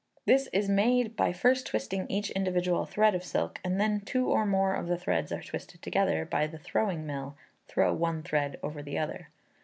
This is made by first twisting each individual thread of silk, and then two or more of the threads are twisted together by the "throwing" mill (throw one thread over the other).